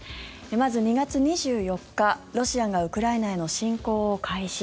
まず２月２４日、ロシアがウクライナへの侵攻を開始。